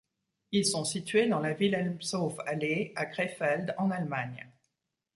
Ils sont situés dans la Wilhelmshofallee à Krefeld, en Allemagne.